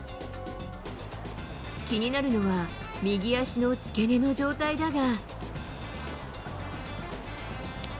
気になるのは、右足の付け根の状態だが。